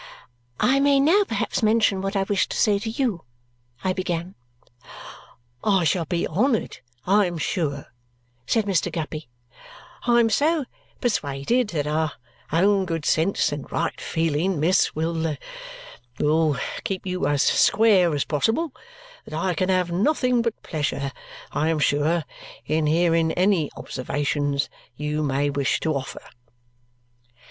"I may now perhaps mention what I wished to say to you?" I began. "I shall be honoured, I am sure," said Mr. Guppy. "I am so persuaded that your own good sense and right feeling, miss, will will keep you as square as possible that I can have nothing but pleasure, I am sure, in hearing any observations you may wish to offer."